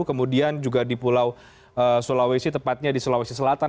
kemudian juga di pulau sulawesi tepatnya di sulawesi selatan